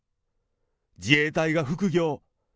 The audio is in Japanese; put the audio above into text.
自衛隊が副業。